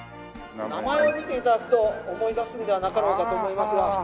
名前を見て頂くと思い出すんではなかろうかと思いますが。